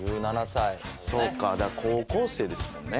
そうか高校生ですもんね。